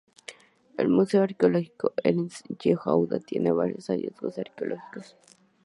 El Museo arqueológico Eretz Yehuda tiene varios hallazgos arqueológicos.